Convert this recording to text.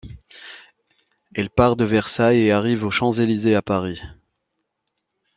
Elle part de Versailles et arrive aux Champs-Élysées à Paris.